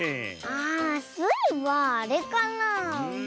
あスイはあれかなあ。